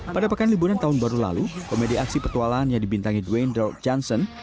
pada pekan liburan tahun baru lalu komedi aksi petualang yang dibintangi dwayne dirk johnson